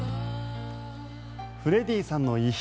フレディさんの遺品